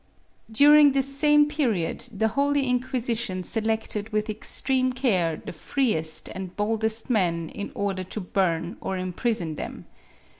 During this same period the Holy Inquisition selected with extreme care the freest and boldest men in order to burn or imprison them.